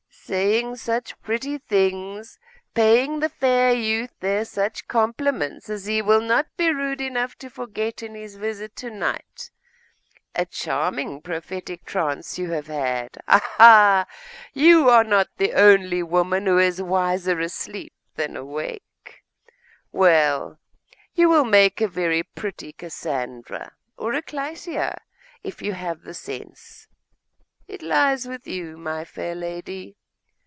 'Saying such pretty things! paying the fair youth there such compliments, as he will not be rude enough to forget in his visit to night. A charming prophetic trance you have had! Ah ha! you are not the only woman who is wiser asleep than awake! Well, you will make a very pretty Cassandra or a Clytia, if you have the sense.... It lies with you, my fair lady.